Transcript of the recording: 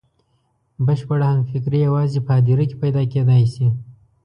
بشپړه همفکري یوازې په هدیره کې پیدا کېدای شي.